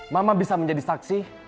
mama bisa menjadi saksi